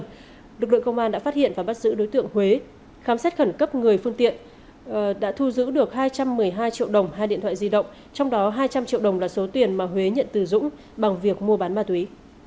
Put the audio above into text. trong đó lực lượng công an đã phát hiện và bắt giữ đối tượng huế khám xét khẩn cấp người phương tiện đã thu giữ được hai trăm một mươi hai triệu đồng hai điện thoại di động trong đó hai trăm linh triệu đồng là số tiền mà huế nhận từ dũng bằng việc mua bán ma túy